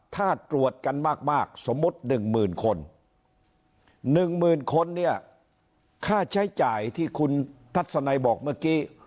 ถ้าตรวจกันมากสมมุติ๑๐๐๐คน๑หมื่นคนเนี่ยค่าใช้จ่ายที่คุณทัศนัยบอกเมื่อกี้